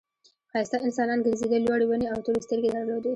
ښایسته انسانان گرځېدل لوړې ونې او تورې سترګې درلودې.